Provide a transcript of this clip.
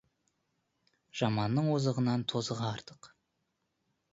Жаманның озығынан тозығы артық.